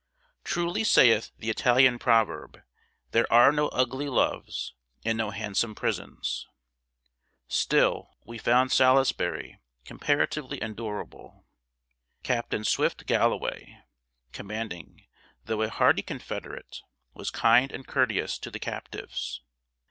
Truly saith the Italian proverb, "There are no ugly loves and no handsome prisons." Still we found Salisbury comparatively endurable. Captain Swift Galloway, commanding, though a hearty Confederate, was kind and courteous to the captives.